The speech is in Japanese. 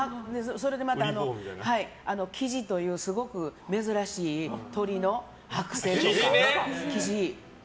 それでまた、キジというすごく珍しい鳥の剥製。